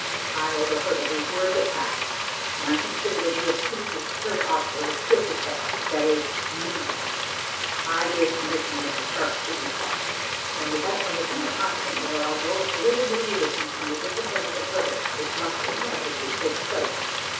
I overheard every word that passed, and I consider that you have treated your superior officer with disrespect that is me. I gave permission that the shark should be caught, and with that permission, I consequently allowed those little deviations from the discipline of the service, which must inevitably take place.